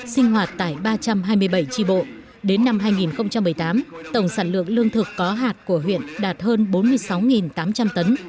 sinh hoạt tại ba trăm hai mươi bảy tri bộ đến năm hai nghìn một mươi tám tổng sản lượng lương thực có hạt của huyện đạt hơn bốn mươi sáu tám trăm linh tấn